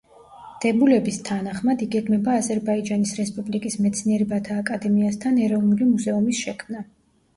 დებულების თანახმად იგეგმება აზერბაიჯანის რესპუბლიკის მეცნიერებათა აკადემიასთან ეროვნული მუზეუმის შექმნა.